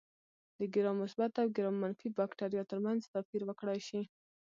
د ګرام مثبت او ګرام منفي بکټریا ترمنځ توپیر وکړای شي.